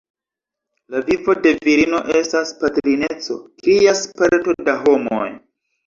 La vivo de virino estas patrineco, krias parto da homoj.